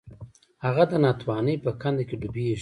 هغه د ناتوانۍ په کنده کې ډوبیږي.